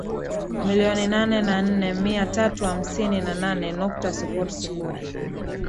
milioni nane na nne mia tatu hamsini na nane nukta sifuri sifuri